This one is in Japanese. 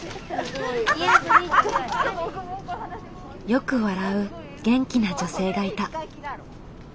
よく笑う元気な女性がいた。